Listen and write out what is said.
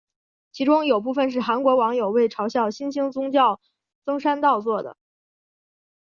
其中有部分是韩国网友为嘲笑新兴宗教甑山道做的。